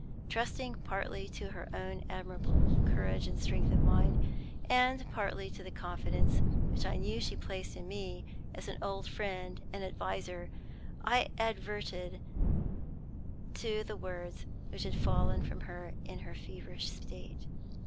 Trusting partly to her own admirable courage and strength of mind, and partly to the confidence which I knew she placed in me as an old friend and adviser, I adverted to the words which had fallen from her in the feverish state.